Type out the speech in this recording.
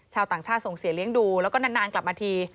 ชาวต่างชาติส่งเสียเลี้ยงดูแล้วก็นานกลับมาที